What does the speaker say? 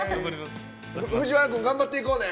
藤原君、頑張っていこうね。